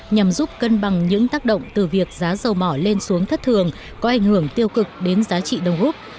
nhằm giúp cân bằng những tác động từ việc giá dầu mỏ lên xuống thất thường có ảnh hưởng tiêu cực đến giá trị đồng húc